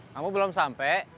kamu belum sampai